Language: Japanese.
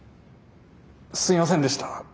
すいませんでした。